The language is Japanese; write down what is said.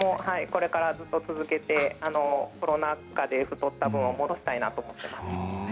これからも、ずっと続けてコロナ禍で太った分を戻したいなと思います。